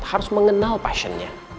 harus mengenal pasiennya